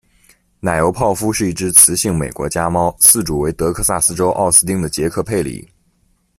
奶油泡芙是一只雌性美国家猫，饲主为德克萨斯州奥斯汀的杰克·佩里。